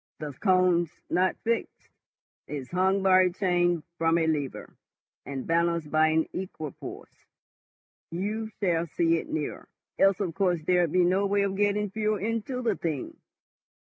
"The cone's not fixed, it's hung by a chain from a lever, and balanced by an equipoise. You shall see it nearer. Else, of course, there'd be no way of getting fuel into the thing.